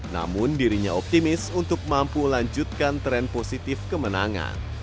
namun dirinya optimis untuk mampu lanjutkan tren positif kemenangan